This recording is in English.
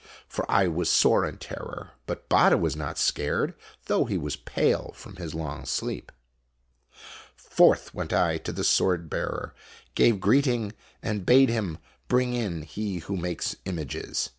For I was sore in terror, but Batta was not scared, though he was pale from his long sleep. Forth went I to the swordbearer, gave greeting, and bade him bring in him who makes images.